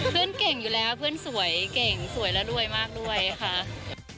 เก่งอยู่แล้วเพื่อนสวยเก่งสวยแล้วรวยมากด้วยค่ะ